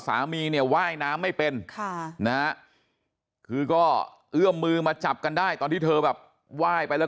สามีเนี่ยว่ายน้ำไม่เป็นค่ะนะฮะคือก็เอื้อมมือมาจับกันได้ตอนที่เธอแบบไหว้ไปแล้ว